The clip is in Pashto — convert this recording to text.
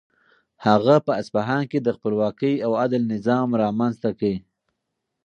هغه په اصفهان کې د خپلواکۍ او عدل نظام رامنځته کړ.